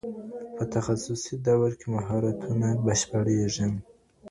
په تخصصي دورو کي مهارتونه بشپړېږي.